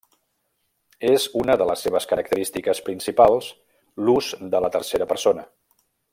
És una de les seves característiques principals l'ús de la tercera persona.